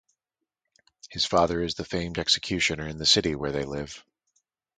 His father is the famed executioner in the city where they live.